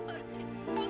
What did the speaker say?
oh jangan ya tore